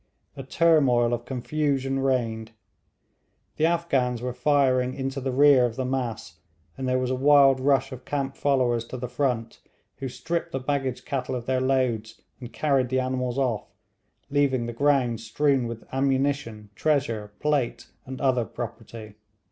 A turmoil of confusion reigned. The Afghans were firing into the rear of the mass, and there was a wild rush of camp followers to the front, who stripped the baggage cattle of their loads and carried the animals off, leaving the ground strewn with ammunition, treasure, plate, and other property.